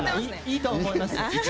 いいと思います。